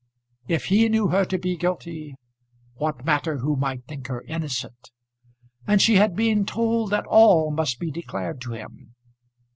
If he knew her to be guilty what matter who might think her innocent? And she had been told that all must be declared to him.